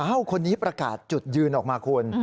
คนนี้ประกาศจุดยืนออกมาคุณ